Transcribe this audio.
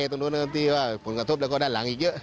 ผลกระทบตอนนี้อยู่ด้านหลังนะครับอยู่ที่ศูนย์ซ่อมแล้วก็